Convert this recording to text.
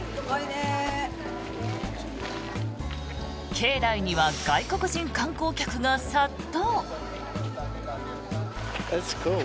境内には外国人観光客が殺到。